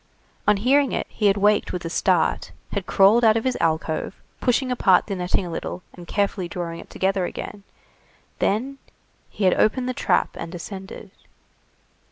On hearing it, he had waked with a start, had crawled out of his "alcove," pushing apart the netting a little, and carefully drawing it together again, then he had opened the trap, and descended.